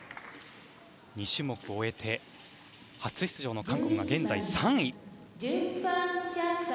２種目を終えて、初出場の韓国が現在３位。